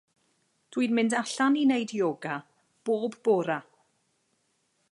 Dw i'n mynd allan i neud yoga bob bora.